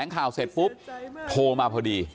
ลองฟังเสียงช่วงนี้ดูค่ะ